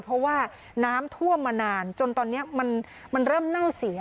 เพราะว่าน้ำท่วมมานานจนตอนนี้มันเริ่มเน่าเสีย